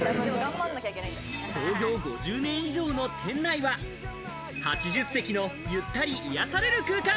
創業５０年以上の店内は、８０席のゆったり癒される空間。